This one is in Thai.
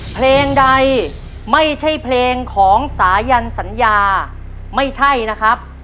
เพลงใดไม่ใช่เพลงของสายันสัญญาไม่ใช่นะครับ